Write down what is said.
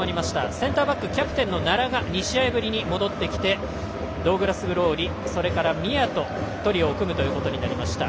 センターバック、キャプテンの奈良が２試合ぶりに戻ってきてドウグラス・グローリ、宮とトリオを組むことになりました。